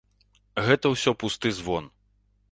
Гэта ўсё пусты звон.